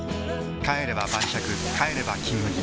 帰れば晩酌帰れば「金麦」